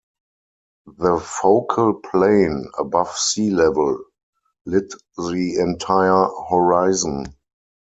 The focal plane, above sea level, lit the entire horizon.